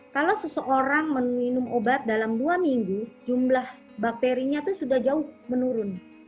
kalau seseorang meminum obat dalam dua minggu jumlah bakterinya itu sudah jauh menurun